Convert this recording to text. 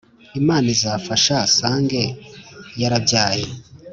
Imana izamfashe nsange yarabyaye